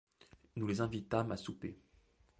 Nous les invitâmes à souper.